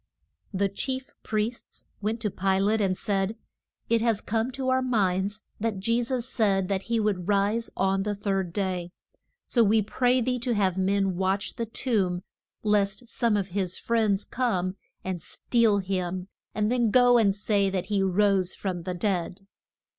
The chief priests went to Pi late and said, It has come to our minds that Je sus said that he would rise on the third day, so we pray thee to have men watch the tomb lest some of his friends come and steal him, and then go and say that he rose from the dead.